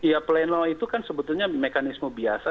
ya pleno itu kan sebetulnya mekanisme biasa